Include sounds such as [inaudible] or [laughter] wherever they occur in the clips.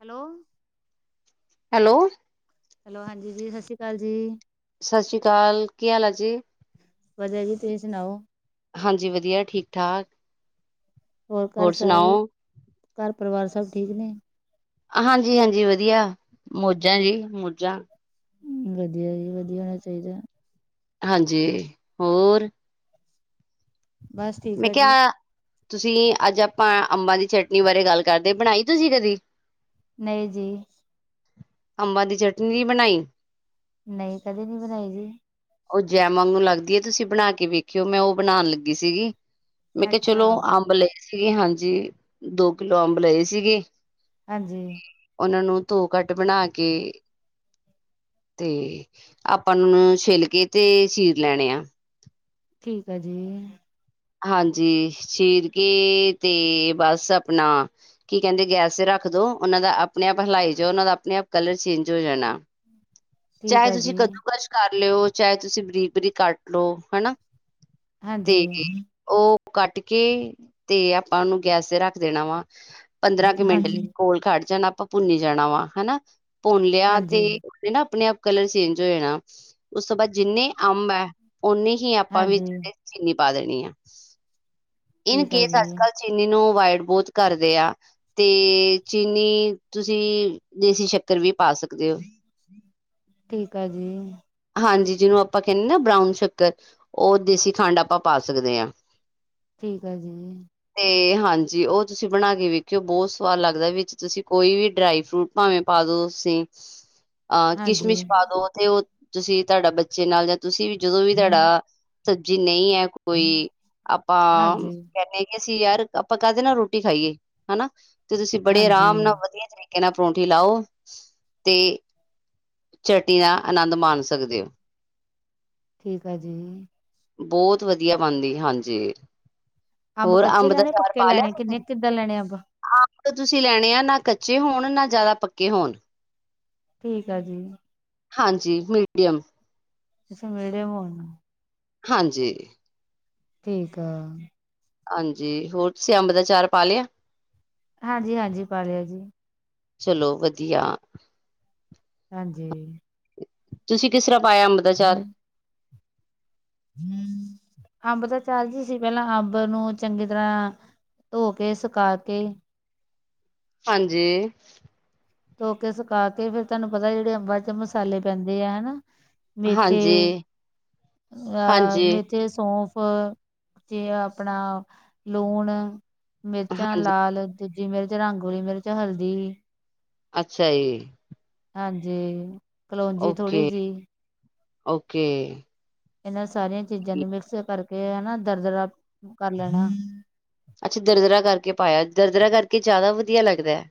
Hello hello hello ਹਾਂਜੀ ਜੀ। ਸਤਿ ਸ਼੍ਰੀ ਅਕਾਲ ਜੀ। ਸਤਿ ਸ੍ਰੀ ਅਕਾਲ ਕੀ ਹਾਲ ਆ ਜੀ। ਵਧੀਆ ਜੀ। ਤੁਸੀਂ ਸੁਣਾਓ ਹਾਂਜੀ ਵਧੀਆ, ਠੀਕ- ਠਾਕ। ਹੋਰ ਘਰ ਸਭ ਘਰ ਪਰਿਵਾਰ ਸਭ ਠੀਕ ਨੇ? ਹਾਂਜੀ -ਹਾਂਜੀ ਵਧੀਆ, ਮੌਜਾਂ ਜੀ ਮੌਜਾਂ। ਵਧੀਆ ਜੀ ਵਧੀਆ ਹੋਣਾ ਚਾਹੀਦਾ। ਹਾਂਜੀ। ਹੋਰ ਬਸ ਠੀਕ ਮੈਂ ਹੈ ਜੀ ਕਿਹਾ ਤੁਸੀਂ ਅੱਜ ਆਪਾਂ ਅੰਬਾਂ ਦੀ ਚਟਨੀ ਬਾਰੇ ਗੱਲ ਕਰਦੇ, ਬਣਾਈ ਤੁਸੀਂ ਕਦੀ?? ਨਹੀਂ ਜੀ। ਅੰਬਾ ਦੀ ਚਟਨੀ ਨੀ ਬਣਾਈ। ਨਹੀਂ, ਕਦੇ ਨਹੀਂ ਬਣਾਈ ਜੀ। ਉਹ ਜੈ ਮਾਂਗੂ ਲੱਗਦੀ ਐ, ਤੁਸੀਂ ਬਣਾ ਕੇ ਵੇਖਿਓ ਮੈਂ ਉਹ ਬਣਾਉਣ ਲੱਗੀ ਸੀਗੀ। ਮੈਂ ਕਿਹਾ ਚਲੋ ਅੱਛਾ ਅੰਬ ਲਏ ਸੀਗੇ। ਹਾਂਜੀ, ਦੋ ਕਿਲੋ ਅੰਬ ਲਏ ਸੀਗੇ। ਹਾਂਜੀ। ਉਹਨਾਂ ਨੂੰ ਧੋ ਕੱਟ ਬਣਾ ਕੇ ਤੇ ਆਪਾਂ ਉਹਨਾ ਨੂੰ ਛਿੱਲ ਕੇ ਤੇ ਚੀਰ ਲੈਣੇ ਆ। ਠੀਕ ਹੈ ਜੀ। ਹਾਂਜੀ, ਚੀਰ ਕੇ ਤੇ ਬਸ ਆਪਣਾ ਕੀ ਕਹਿੰਦੇ ਗੈਸ ਤੇ ਰੱਖ ਦੋ, ਉਹਨਾਂ ਦਾ ਆਪਣੇ ਆਪ ਹਿਲਾਈ ਜਾਉ, ਉਹਨਾਂ ਦਾ ਆਪਣੇ ਆਪ ਕਲਰ ਚੇਂਜ ਹੋ ਜਾਣਾ। ਠੀਕ ਚਾਹੇ ਆ ਤੁਸੀਂ ਜੀ ਕੱਦੂਕਸ਼ ਕਰ ਲਿਓ, ਚਾਹੇ ਤੁਸੀਂ ਬਰੀਬ -ਬਰੀਕ ਕੱਟ ਲਉ। ਹਨਾ ਹਾਂਜੀ ਤੇ ਉਹ ਕੱਟ ਕੇ ਤੇ ਆਪਾਂ ਉਹਨੂੰ ਗੈਸ ਤੇ ਰੱਖ ਦੇਣਾ ਵਾ। ਪੰਦਰਾਂ ਕੁ ਮਿੰਟ ਲਈ ਹਾਂਜੀ ਕੋਲ ਖੜ ਜਾਣਾ, ਆਪਾਂ ਭੁੰਨੀ ਜਾਣਾ ਵਾ ਹਨਾ। ਭੁੰਨ ਲਿਆ ਹਾਂਜੀ ਤੇ ਨਾ ਆਪਣੇ ਆਪ ਕਲਰ ਚੇਂਜ ਹੋ ਜਾਣਾ, ਉਸ ਤੋਂ ਬਾਅਦ ਜਿੰਨੇ ਅੰਬ ਐ ਓਨੇ ਹੀ ਆਪਾਂ ਵਿੱਚ ਹਾਂਜੀ ਇਹਦੇ ਚੀਨੀ ਪਾ ਦੇਣੀ ਆ, ਇਨ ਠੀਕ ਆ ਕੇਸ ਜੀ ਅੱਜ-ਕੱਲ ਚੀਨੀ ਨੂੰ ਅਵਾਇਡ ਬਹੁਤ ਕਰਦੇ ਆ। ਤੇ ਚੀਨੀ ਤੁਸੀਂ ਦੇਸੀ ਸ਼ੱਕਰ ਵੀ ਪਾ ਸਕਦੇ ਹੋ। ਠੀਕ ਆ ਜੀ। ਹਾਂਜੀ, ਜਿਹਨੂੰ ਆਪਾਂ ਕਹਿੰਨੇ ਨਾ ਬਰਾਊਨ ਸ਼ੱਕਰ। ਉਹ ਦੇਸੀ ਖੰਡ ਆਪਾਂ ਪਾ ਸਕਦੇ ਹਾਂ। ਠੀਕ ਆ ਜੀ। ਤੇ ਹਾਂਜੀ ਉਹ ਤੁਸੀਂ ਬਣਾ ਕੇ ਵੇਖਿਓ, ਬਹੁਤ ਸਵਾਦ ਲੱਗਦੈ, ਵਿੱਚ ਤੁਸੀਂ ਕੋਈ ਵੀ ਡਰਾਈ ਫਰੂਟ ਭਾਵੇ ਪਾ ਦੋ ਤੁਸੀ। ਆਹ ਹਾਂਜੀ ਕਿਸ਼ਮਿਸ਼ ਪਾ ਦੋ, ਤੇ ਉਹ ਤੁਸੀਂ ਤੁਹਾਡਾ ਬੱਚੇ ਨਾਲ ਜਾਂ ਤੁਸੀਂ ਵੀ ਜਦੋਂ ਵੀ ਤੁਹਾਡਾ ਸਬਜੀ ਨਹੀਂ ਹੈ ਕੋਈ, ਆਪਾਂ ਹਾਂਜੀ ਕਹਿੰਨੇ ਕਿ ਅਸੀਂ ਯਾਰ ਆਪਾਂ ਕਾਹਦੇ ਨਾ ਰੋਟੀ ਖਾਈਏ, ਹਨਾ ਤੇ ਤੁਸੀਂ ਬੜੇ ਆਰਾਮ ਨਾਲ ਹਾਂਜੀ ਵਧੀਆ ਤਰੀਕੇ ਨਾਲ ਪਰੌਂਠੀ ਲਾਓ, ਤੇ ਚਟਨੀ ਦਾ ਆਨੰਦ ਮਾਣ ਸਕਦੇ ਹੋ। ਠੀਕ ਆ ਜੀ। ਬਹੁਤ ਵਧੀਆ ਬਣਦੀ, ਹਾਂਜੀ। ਹੋਰ ਕੱਚੇ ਅੰਬ ਦਾ ਲੈਣੇ ਚਾਰ ਪੱਕੇ ਪਾ ਲਿਆ ਲੈਣੇ ਕਿੰਨੇ ਤੁਸੀਂ? ਕਿੱਦਾਂ ਲੈਣੇ ਅੰਬ ਅੰਬ ਤਾ ਤੁਸੀਂ ਲੈਣੇ ਆ ਨਾ ਕੱਚੇ ਹੋਣ, ਨਾ ਜ਼ਿਆਦਾ ਪੱਕੇ ਹੋਣ। ਠੀਕ ਆ ਜੀ। ਹਾਂਜੀ, ਮੀਡੀਅਮ। [unintelligible] ਹਾਂਜੀ। ਠੀਕ ਆ। ਹਾਂਜੀ, ਹੋਰ ਤੁਸੀਂ ਅੰਬ ਦਾ ਚਾਰ ਪਾ ਲਿਆ? ਹਾਂਜੀ-ਹਾਂਜੀ ਪਾ ਲਿਆ ਜੀ। ਚਲੋ ਵਧੀਆ। ਹਾਂਜੀ ਤੁਸੀਂ ਕਿਸ ਤਰ੍ਹਾਂ ਪਾਇਆ ਅੰਬ ਦਾ ਚਾਰ? [inaudible] ਅੰਬ ਦਾ ਚਾਰ ਜੀ ਅਸੀਂ ਪਹਿਲਾਂ ਅੰਬ ਨੂੰ ਚੰਗੀ ਤਰ੍ਹਾਂ ਧੋ ਕੇ, ਸੁਕਾ ਕੇ ਹਾਂਜੀ ਧੋ ਕੇ ਸੁਕਾ ਕੇ ਫਿਰ ਤੁਹਾਨੂੰ ਪਤਾ ਜਿਹੜੇ ਅੰਬਾਂ ਚ ਮਸਾਲੇ ਪੈਂਦੇ ਆ ਹਨਾ। ਮੇਥੇ ਹਾਂਜੀ [inaudible] ਅ ਹਾਂਜੀ ਮੇ ਤੇੇ ਸੌਫ [inaudible] ਤੇ ਆਪਣਾ ਲੂਣ ਮਿਰਚਾਂ ਹਾਂਜੀ ਲਾਲ, ਦੂਜੀ ਮਿਰਚ ਰੰਗ ਵਾਲੀ ਮਿਰਚ, ਹਲਦੀ ਅੱਖਾਂ ਜੀ। ਹਾਂਜੀ ਕਲੋਂਜੀ ਥੋੜ੍ਹੀ ਓਕੇ, ਜਿਹੀ ਓਕੇ। ਇਹਨਾਂ ਸਾਰੀਆਂ ਚੀਜ਼ਾਂ ਨੂੰ ਮਿਕਸਰ ਕਰਕੇ ਹਨਾ ਦਰ-ਦਰਾ ਕਰ ਲੈਣਾ ਅੱਛਾ ਦਰਦਰਾ ਕਰਕੇ ਪਾਇਆ ਦਰਦਰਾ ਕਰਕੇ ਜ਼ਿਆਦਾ ਵਧੀਆ ਲੱਗਦੈ।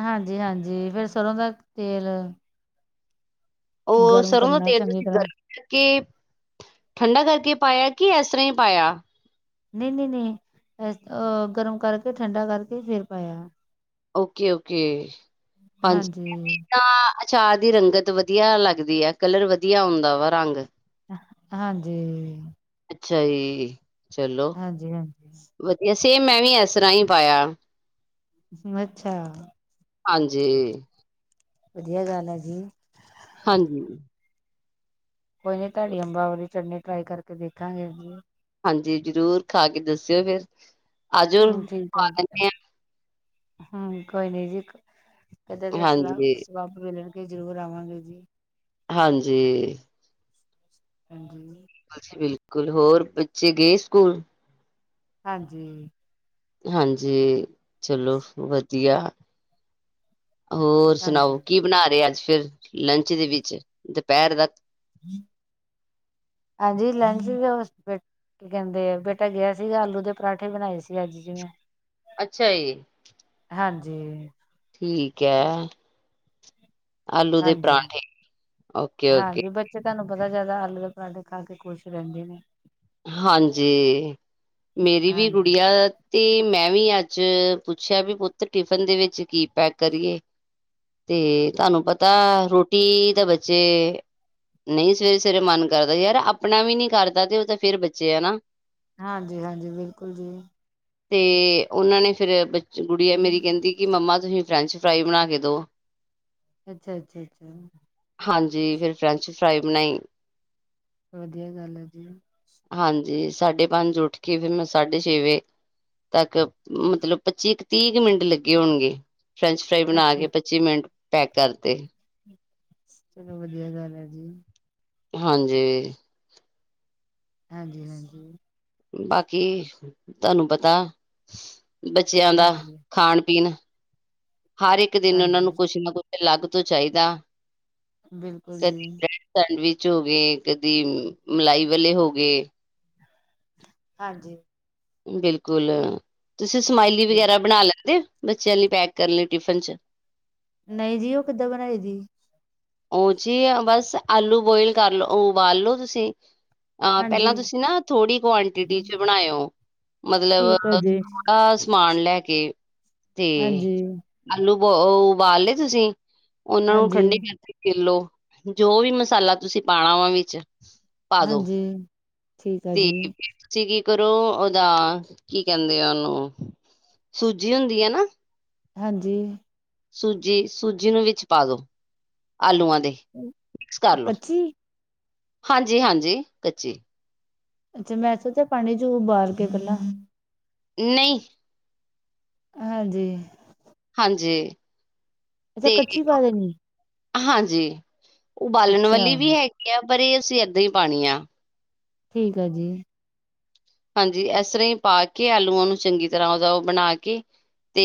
ਹਾਂਜੀ-ਹਾਂਜੀ ਫੇਰ ਸਰ੍ਹੋਂ ਦਾ ਤੇਲ ਉਹ ਗਰਮ ਸਰੋਂ ਦਾ ਕਰਨਾ ਤੇਰ ਚੰਗੀ ਤੁਸੀਂ ਤਰ੍ਹਾਂ ਗਰਮੀਂ ਕਰਕੇ, ਠੰਡਾ ਕਰਕੇ ਪਾਇਆ ਕਿ ਇਸ ਤਰ੍ਹਾਂ ਹੀ ਪਾਇਆ। ਨਹੀਂ-ਨਹੀਂ-ਨਹੀਂ ਹ ਗਰਮ ਕਰਕੇ ਠੰਡਾ ਕਰਕੇ ਫੇਰ ਪਾਇਆ। ਓਕ-ਓਕੇ, ਹਾਂਜੀ ਚਾਹ ਦੀ ਰੰਗਤ ਵਧੀਆ ਲੱਗਦੀ ਆ ਕਲਰ ਵਧੀਆ ਆਉਂਦਾ ਵਾ ਰੰਗ ਹਾਂਜੀ ਅੱਛਾ ਜੀ। ਚਲੋ ਹਾਂਜੀ-ਹਾਂਜੀ। ਵਧੀਆ, ਸੇਮ ਮੈਂ ਵੀ ਇਸ ਤਰ੍ਹਾਂ ਹੀ ਪਾਇਆ। ਅੱਛਾ। ਹਾਂਜੀ। ਵਧੀਆ ਗੱਲ ਆ ਜੀ। ਹਾਂਜੀ ਕੋਈ ਨੀ ਤੁਹਾਡੀ ਅੰਬਾ ਵਾਲੀ ਚਟਨੀ ਟਰਾਈ ਕਰਕੇ ਵੇਖਾਂਗੇ ਅਸੀ ਹਾਂਜੀ ਜ਼ਰੂਰ ਖਾ ਕੇ ਦੱਸਿਓ ਫੇਰ ਆਜਓ ਖੁਆ ਦੇਣੇ ਆ। ਹੂੰ ਕੋਈ ਨੀ ਜੀ ਕਦੇ ਹਾਂ ਦਾ ਸਲਾ ਹਾਂਜੀ ਸਬੱਬ ਮਿਲਣ ਕੇ ਜ਼ਰੂਰ ਆਵਾਂਗੇ ਜੀ। ਹਾਂਜੀ। ਹਾਂਜੀ ਜੀ ਬਿਲਕੁਲ ਹੋਰ ਬੱਚੇ ਗਏ ਸਕੂਲ। ਹਾਂਜੀ ਹਾਂਜੀ ਚਲੋ ਵਧੀਆ। ਹੋਰ ਸੁਣਾਓ ਹਾਂਜੀ ਕੀ ਬਣਾ ਰਹੇ ਅੱਜ ਫਿਰ ਲੰਚ ਦੇ ਵਿੱਚ ਦੁਪਹਿਰ ਦਾ ਆਜ ਲੈਂਚ ਵੀ ਓ [unintelligible] ਕੀ ਕਹਿੰਦੇ ਬੇਟਾ ਗਿਆ ਸੀਗਾ ਆਲੂ ਦੇ ਪਰਾਂਠੇ ਬਣਾਏ ਸੀ ਅੱਜ ਜਿਵੇਂ। ਅੱਛਾ ਜੀ। ਹਾਂਜੀ ਠੀਕ ਐ ਆਲੂ ਦੇ ਹਾਂਜੀ ਪਰਾਂਠੇ ਓਕੇ-ਓਕੇ। ਤਹਾਨੂੰ ਪਤਾ ਜ਼ਿਆਦਾ ਆਲੂ ਦੇ ਪਰਾਂਠੇ ਖਾ ਕੇ ਖੁਸ਼ ਰਹਿੰਦੇ ਨੇ। ਹਾਂਜੀ ਮੇਰੀ ਵੀ ਹਾਂਜੀ ਗੁੜੀਆ ਤੇ ਮੈਂ ਵੀ ਅੱਜ ਪੁੱਛਿਆ ਵੀ ਪੁੱਤ ਟਿਫਨ ਦੇ ਵਿੱਚ ਕੀ ਪੈਕ ਕਰੀਏ। ਤੇ ਤੁਹਾਨੂੰ ਪਤਾ ਰੋ ਟੀ ਤੇ ਬੱਚੇ ਨਹੀਂ ਸਵੇਰੇ-ਸਵੇਰੇ ਮਨ ਕਰਦਾ ਯਾਰ ਆਪਣਾ ਵੀ ਨਹੀਂ ਕਰਦਾ ਤੇ ਉਹ ਤਾਂ ਫੇਰ ਬੱਚੇ ਆ ਹਨਾ। ਹਾਂਜੀ-ਹਾਂਜੀ ਬਿਲਕੁਲ ਜੀ। ਤੇ ਉਹਨਾਂ ਨੇ ਫਿਰ ਬ ਗੁੜੀਆ ਮੇਰੀ ਕਹਿੰਦੀ ਕਿ ਮੰਮਾ ਤੁਸੀਂ ਫਰੈਂਚ-ਫਰਾਈ ਬਣਾ ਕੇ ਦੋ ਅੱਛਾ-ਅੱਛਾ-ਅੱਛਾ ਹਾਂਜੀ ਫਿਰ ਫਰੈਂਚ ਫਰਾਈ ਬਣਾਈ ਵਧੀਆ ਗੱਲ ਹੈ ਜੀ। ਹਾਂਜੀ ਸਾਢੇ ਪੰਜ ਉੱਠ ਕੇ ਫਿਰ ਮੈਂ ਸਾਢੇ ਛੇ ਵਜੇ ਤੱਕ ਮਤਲਬ ਪੱਚੀ ਤੀਹ ਕੁ ਮਿੰਟ ਲੱਗੇ ਹੋਣਗੇ ਫਰੈੰਚ ਫਰਾਈ ਬਣਾ ਕੇ ਅੱਛਾ ਪੰਚੀ ਮਿੰਟ ਚ ਪੈਕ ਕਰਤੇ। ਚਲੋ ਵਧੀਆ ਗੱਲ ਐ ਜੀ ਹਾਂਜੀ। ਹਾਂਜੀ ਹਾਂਜੀ ਬਾਕੀ ਤਹਾਨੂੰ ਪਤਾ ਬੱਚਿਆਂ ਦਾ ਹਾਂਜੀ ਖਾਣ ਪੀਣ ਹਰ ਇੱਕ ਦਿਨ ਉਹਨਾਂ ਨੂੰ ਹਾਂਜੀ ਕੁਛ ਨਾ ਕੁਛ ਅਲੱਗ ਤੋ ਚਾਹੀਦਾ ਬਿਲਕੁਲ ਕਦੀ ਜੀ। ਬ੍ਰੈਡ ਸੈਂਡਵਿਚ ਹੋ ਗਏ ਕਦੀ ਮਲਾਈ ਵਾਲੇ ਹੋ ਗਏ ਹਾਂਜੀ ਬਿਲਕੁਲ ਤੁਸੀਂ ਸਮਾਇਲੀ ਬਿਲ ਵਗੈਰਾ ਬਣਾ ਲੈਂਦੇ ਬੱਚਿਆਂ ਲਈ ਪੈਕ ਕਰਨ ਲਈ ਟਿਫਨ ਚ ਨਹੀਂ ਜੀ ਉਹ ਕਿੱਦਾਂ ਬਣਾਈ ਦੀ। ਉਹ ਜੀ ਬਸ ਆਲੂ ਬੋਇਲ ਕਰਲੋ ਉਬਾਲ ਲੋੋ ਤੁਸੀਂ ਪਹਿਲਾ ਹਾਂਜੀ ਤੁਸੀਂ ਨਾ ਥੋੜ੍ਹੀ ਕੁਆਂਟਿਟੀ ਚ ਬਣਾਇੳ ਮਤਲਬ ਠੀਕ ਆ ਜੀ ਥੋੜਾ ਸਮਾਨ ਲੈ ਕੇ ਤੇ ਹਾਂਜੀ ਆਲੂ ਬ ਉਬਾਲ ਲਏ ਤੁਸੀਂ ਉਹਨਾਂ ਨੂੰ ਹਾਂਜੀ ਠੰਡੀ ਕਰਕੇ ਕਿਲੋ ਜੋ ਵੀ ਮਸਾਲਾ ਤੁਸੀਂ ਪਾਣਾ ਵਾ ਵਿੱਚ ਪਾਦੋ ਹਾਂਜੀ ਠੀਕ ਆ ਤੇ ਜੀ ਤੁਸੀਂ ਕੀ ਕਰੋ ਉਹਦਾ ਕੀ ਕਹਿੰਦੇ ਉਹਨੂੰ ਸੂਜੀ ਹੁੰਦੀ ਐ ਨਾ। ਹਾਂਜੀ ਸੂਜੀ ਸੂਜੀ ਨੂੰ ਵਿੱਚ ਪਾ ਦੋ ਆਲੂਆਂ ਦੇ ਮਿਕਸ ਕਰ ਲੋ। ਕੱਚੀ ਹਾਂਜੀ -ਹਾਂਜੀ ਕੱਚੀ ਅੱਛਾ ਮੈਂ ਸੋਚਿਆ ਚ ਪਾਣੀ ਚੂ ਉਬਾਲ ਕੇ ਪਹਿਲਾਂ। ਨਹੀਂ ਹਾਂਜੀ ਹਾਂਜੀ ਅੱਛਾ ਤੇ ਕੱਚੀ ਪਾ ਦੇਣੀ ਹਾਂਜੀ ਉਬਾਲਣ ਅੱਛਾ ਵਾਲੀ ਵੀ ਹੈਗੀ ਆ ਪਰ ਇਹ ਅਸੀਂ ਇੱਦਾਂ ਹੀ ਪਾਉਣੀ ਆ। ਠੀਕ ਆ ਜੀ ਹਾਂਜੀ ਇਸ ਤਰ੍ਹਾਂ ਹੀ ਪਾ ਕੇ ਆਲੂਆਂ ਨੂੰ ਚੰਗੀ ਤਰ੍ਹਾਂ ਉਹਦਾ ਉਹ ਬਣਾ ਕੇ ਤੇ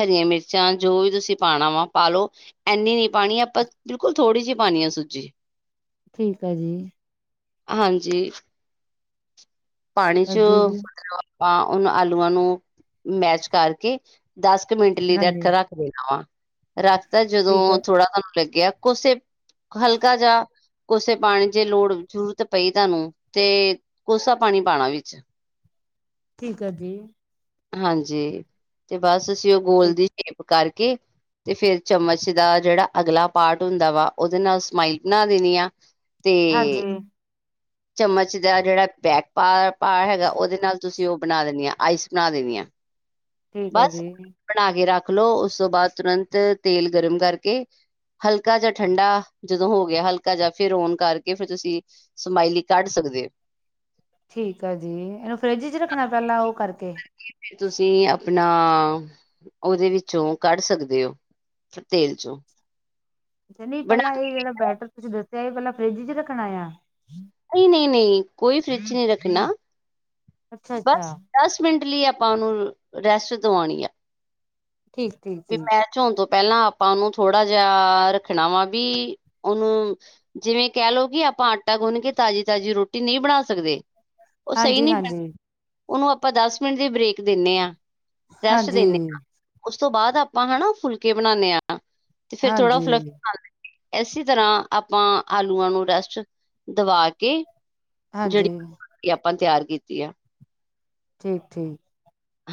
ਹਰੀਆਂ ਮਿਰਚਾਂ ਜੋ ਵੀ ਤੁਸੀਂ ਪਾਣਾ ਵਾ ਪਾਲਓ ਐਨੀ ਨੀ ਪਾਣੀ ਆਪਾਂ ਬਿਲਕੁਲ ਥੋੜ੍ਹੀ ਜੀ ਪਾਣੀ ਆ ਆਪਾ ਸੂਜੀ। ਠੀਕ ਆ ਜੀ। ਹਾਂਜੀ। ਪਾਣੀ ਚ ਅੱਗੇ ਜੀ ਆਪਾਂ ਉਨਾਂ ਆਲੂਆਂ ਨੂੰ ਮੈਸ਼ ਕਰਕੇ ਦਸ ਕ ਮਿੰਟ ਲਈ ਹਾਂਜੀ ਰੱਖ-ਰੱਖ ਦੇਣਾ ਵਾ ਰੱਖ ਤਾਂ ਠੀਕ ਜਦੋਂ ਹੈ ਥੋੜਾ ਤੁਹਾਨੂੰ ਲੱਗਿਆ ਕੋਸੇ ਹਲਕਾ ਜਾ ਕੋੇਸੋ ਪਾਣੀ ਜੇ ਲੋੜ ਜ਼ਰੂਰਤ ਪਈ ਤੁਹਾਨੂੰ ਤੇ ਕੋਸਾ ਪਾਣੀ ਪਾਣਾ ਵਿੱਚ। ਠੀਕ ਆ ਜੀ। ਹਾਂਜੀ ਤੇ ਬਸ ਅਸੀਂ ਓ ਗੋਲ ਠੀਕ ਦੀ ਸ਼ੇਪ ਕਰਕੇ ਤੇ ਫੇਰ ਚਮਚ ਦਾ ਜੇੜਾ ਅਗਲਾ ਪਾਰਟ ਹੁੰਦਾ ਵਾ ਓਦੇ ਨਾਲ ਸਮਾਈਲ ਬਣਾ ਦੇਣੀ ਆ ਤੇ ਹਾਂਜੀ ਚਮਚ ਦਾ ਜੇੜਾ ਬੈਕ ਪਾ ਭਾ-ਭਾ ਹੈਗਾ ਓਦੇ ਨਾਲ ਤੁਸੀਂ ਓ ਬਣਾ ਦੇਣੀ ਆਈਸ ਬਣਾ ਦੇਣੀ ਆ ਠੀਕ ਆ ਬਸ ਜੀ ਬਣਾ ਕੇ ਰੱਖ ਲੋ ਉਸ ਤੋਂ ਬਾਦ ਤੁਰੰਤ ਤੇਲ ਗਰਮ ਕਰਕੇ ਹਲਕਾ ਜਾ ਠੰਡਾ ਜਦੋਂ ਹੋ ਗਿਆ ਹਲਕਾ ਜਾ ਫ਼ਿਰ ਔਨ ਕਰਕੇ ਫ਼ਿਰ ਤੁਸੀਂ ਸਮਾਇਲੀ ਕੱਢ ਸਕਦੇ ਓ ਠੀਕ ਆ ਜੀ ਇਨੂੰ ਫਰਿੱਜ ਚ ਰੱਖਣਾ ਪੈਲਾਂ ਓ ਕਰਕੇ ਏ ਫੇਰ ਤੁਸੀਂ ਆਪਣਾ ਓਦੇ ਵਿੱਚੋਂ ਕੱਢ ਸਕਦੇ ਓ। ਫੇ ਤੇਲ ਚੋਂ। ਅੱਛਾ ਨੀ ਬਣਾ ਪੈਲਾਂ ਏ ਜੇੜਾ ਬੈਟਰ ਤੁਸੀਂ ਦੱਸਿਆਂ ਏ ਪੈਲਾਂ ਫਰਿੱਜ਼ ਚ ਰੱਖਣਾ ਆ? ਨਈ-ਨਈ ਕੋਈ ਫ਼ਰਿੱਜ਼ ਚ ਨੀ ਰੱਖਣਾ ਅੱਛਾ ਅੱਛਾ ਬਸ ਦਸ ਮਿੰਟ ਲਈ ਆਪਾਂ ਓਨੂੰ ਰੈਸਟ ਦਵਾਣੀ ਐ। ਠੀ ਵੀ ਪੈਚ ਹੋਣ ਤੋਂ ਪੈਲਾਂ ਆਪਾਂ ਉਨੂੰ ਥੋੜ੍ਹਾ ਜਾ ਰੱਖਣਾ ਵਾ ਵੀ ਓਨੂੰ ਜਿਵੇਂ ਕੈ ਲੋ ਕੀ ਆਪਾਂ ਆਟਾ ਗੁੰਨ ਕੇ ਤਾਜ਼ੀ-ਤਾਜ਼ੀ ਰੋਟੀ ਨਈ ਬਣਾ ਸਕਦੇ ਓ ਸਈ ਹਾਂਜੀ ਨੀ ਹਾਂਜੀ [unintelligible] ਉਨੂੰ ਆਪਾਂ ਮਿੰਟ ਦੀ ਬ੍ਰੇਕ ਦਿੰਨੇ ਆ ਰੈਸਟ ਹਾਂਜੀ। ਦਿੰਨੇ ਆ ਉਸ ਤੋਂ ਬਾਦ ਆਪਾਂ ਹਨਾ ਫੁਲਕੇ ਬਣਾ ਨੇ ਤੇ ਫ਼ੇਰ ਥੋੜ੍ਹਾ ਫਲ ਹਾਂਜੀ [unintelligible] ਐਸੀ ਤਰ੍ਹਾਂ ਆਪਾਂ ਆਲੂਆਂ ਨੂੰ ਰੈਸਟ ਦਵਾ ਕੇ ਹਾਂਜੀ ਜੇੜੀ [inaudible] ਤਿਆਰ ਕੀਤੀ ਆ ਠੀਕ-ਠੀਕ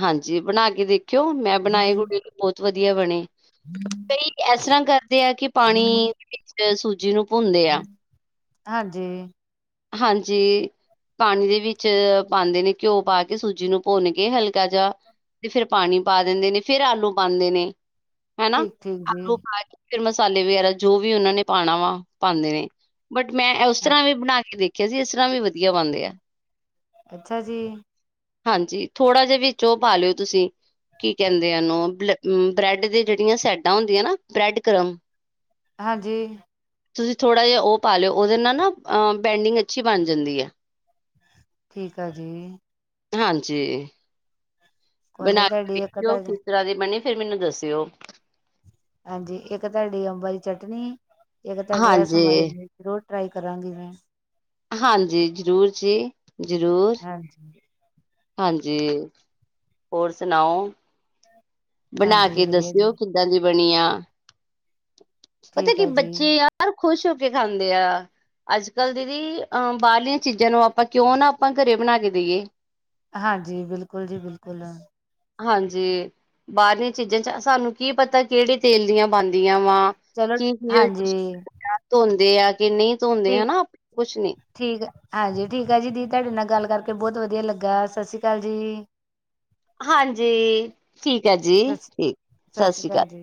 ਹਾਂਜੀ ਬਣਾ ਕੇ ਦੇਖਿਓ ਮੈਂ ਬਣਾਏ ਹੋਏ ਨੇ ਬੋਤ ਵਧੀਆਂ ਬਣੇ ਕਈ ਐਸ ਤਰ੍ਹਾਂ ਕਰਦੇ ਆ ਕੀ ਪਾਣੀ ਦੇ ਵਿੱਚ ਸੂਜੀ ਨੂੰ ਭੁੰਦੇ ਆ। ਹਾਂਜੀ। ਹਾਂਜੀ। ਪਾਣੀ ਦੇ ਵਿੱਚ ਪਾਂਦੇ ਨੇ ਘਿਓ ਪਾਕੇ ਸੂਜੀ ਨੂੰ ਭੁੰਨ ਕੇ ਹਲਕਾ ਜਾ ਤੇ ਫ਼ੇਰ ਪਾਣੀ ਪਾ ਦਿੰਦੇ ਨੇ ਫੇ਼ਰ ਆਲੂ ਪਾਂਦੇ ਨੇ ਹਨਾ ਠੀਕ ਠੀਕ ਜੀ ਆਲੂ ਪਾ ਕੇ ਫ਼ਿਰ ਮਸਾਲੇ ਵਗੈਰਾ ਜੋ ਵੀ ਓਨਾਂ ਨੇ ਪਾਣਾ ਵਾ ਪਾਂਦੇ ਨੇ। ਬਟ ਮੈਂ ਓਸ ਤਰ੍ਹਾਂ ਵੀ ਬਣਾ ਕੇ ਦੇਖਿਆਂ ਸੀ ਏਸ ਤਰ੍ਹਾਂ ਵੀ ਵਧੀਆਂ ਬਣਦੇ ਆ। ਅੱਛਾ ਜੀ। ਹਾਂਜੀ ਥੋੜ੍ਹਾ ਜਾ ਵਿੱਚ ਓ ਪਾ ਲਿਓ ਤੁਸੀਂ ਕੀ ਕੇਂਦੇ ਆ ਓਨੂੰ ਬਲ ਊਂ ਬਰੈੱਡ ਦੇ ਜੇੜੀਆਂ ਸੈਡਾਂ ਹੁੰਦੀਆਂ ਨਾ ਬਰੈੱਡਕਰਮ ਹਾਂਜੀ। ਤੁਸੀਂ ਥੋੜ੍ਹਾ ਜਾ ਓ ਪਾ ਲਿਓ ਓਦੇ ਨਾ ਨਾ ਅ ਬੈਂਡਿੰਗ ਅੱਛੀ ਬਣ ਜਾਂਦੀ ਐ। ਠੀਕ ਆ ਜੀ। ਹਾਂ ਜੀ ਕੋਈ ਨੀ ਬਣਾ ਕੇ ਤੁਹਾਡੀ ਇੱਕ ਵੇਖਿਓ ਤੁਹਾਡੀ ਕਿਸ ਤਰ੍ਹਾਂ ਦੇ ਬਣੇ ਫੇਰ ਮੈਨੂੰ ਦੱਸਿਓ। ਹਾਂਜੀ, ਇੱਕ ਤੁਹਾਡੀ ਅੰਬਾਂ ਦੀ ਚਟਨੀ ਇੱਕ ਤੁਹਾਡੇ ਆ ਹਾਂਜੀ ਸਮਾਈਲੀ ਜ਼ਰੂਰੀ ਟਰਾਈ ਕਰਾਂਗੀ ਮੈਂ। ਹਾਂਜੀ, ਜ਼ਰੂਰ ਜੀ ਜ਼ਰੂਰ। ਹਾਂਜੀ ਹਾਂਜੀ ਹੋਰ ਸੁਣਾਓ? ਬਣਾ ਹਾਂਜੀ ਕੇ ਵਧੀਆ ਜੀ ਦੱਸਿਓ ਕਿੱਦਾਂ ਦੀ ਬਣੀ ਆ ਪਤਾ ਠੀਕ ਕੀ ਆ ਜੀ ਬੱਚੇ ਆ ਆ ਖੁਸ਼ ਹੋ ਕੇ ਖਾਂਦੇ ਆ ਅੱਜ ਕੱਲ੍ਹ ਦੀਦੀ ਅਹ ਬਾਹਰਲੀਆਂ ਚੀਜ਼ਾਂ ਨੂੰ ਆਪਾਂ ਕਿਉਂ ਨਾ ਆਪਾਂ ਘਰੇ ਬਣਾ ਕੇ ਦੇਈਏ। ਹਾਂਜੀ, ਬਿਲਕੁਲ ਜੀ ਬਿਲਕੁਲ। ਹਾਂਜੀ, ਬਾਹਰਲੀਆਂ ਚੀਜ਼ਾਂ ਚ ਸਾਨੂੰ ਕੀ ਪਤਾ ਕਿਹੜੇ ਤੇਲ ਦੀਆਂ ਬਣਦੀਆਂ ਵਾ। ਚਲੋ ਹਾਂਜੀ [unintelligible] ਧੋਂਦੇ ਆ ਕਿ ਨਹੀਂ ਧੋਂਦੇ ਠੀਕ ਹਨਾ ਆਪ ਕੁਛ ਨੀ ਠੀਕ ਆ ਹਾਂਜੀ, ਠੀਕ ਆ ਜੀ ਦੀ ਤੁਹਾਡੇ ਨਾਲ਼ ਗੱਲ ਕਰਕੇ ਬਹੁਤ ਵਧੀਆਂ ਲੱਗਾ ਸਸ੍ਰੀ ਕਾਲ ਜੀ। ਹਾਂਜੀ, ਠੀਕ ਆ ਜੀ ਸਤਿ ਸ਼੍ਰੀ ਠੀਕ ਸਤਿ ਸ਼੍ਰੀ ਸਸੀ ਕਾਲ। ਅਕਾਲ ਜੀ